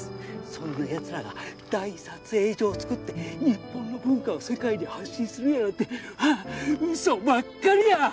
そんなやつらが大撮影所をつくって日本の文化を世界に発信するやなんて嘘ばっかりや！